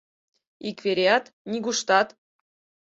Ик вереат, нигуштат...